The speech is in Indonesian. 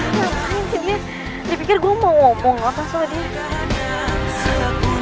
ngapain sih dia dipikir gue mau ngomong apa soalnya